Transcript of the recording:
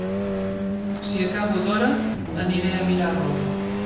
Si acabo d'hora, aniré a mirar roba.